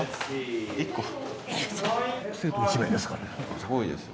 すごいですね。